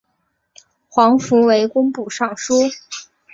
黄福为工部尚书。